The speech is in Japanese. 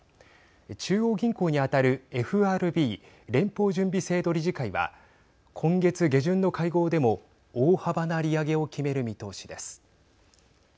中央銀行に当たるＦＲＢ＝連邦準備制度理事会は今月下旬の会合でも大幅な利上げを決める見通しです。